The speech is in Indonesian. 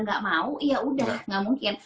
nggak mau ya udah gak mungkin